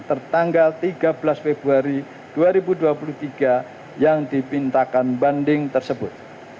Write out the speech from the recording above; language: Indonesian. tertanggal tiga belas februari dua ribu dua puluh tiga yang dipintakan banding tersebut